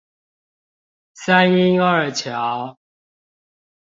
三鶯二橋